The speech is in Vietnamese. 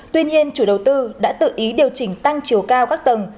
tuy nhiên chủ đầu tư đã tự ý điều chỉnh tăng chiều cao các tầng